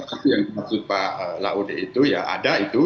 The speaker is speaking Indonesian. tapi yang dimaksud pak laude itu ya ada itu